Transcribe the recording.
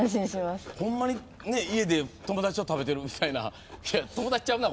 ほんまに家で友達と食べてるみたいな友達ちゃうな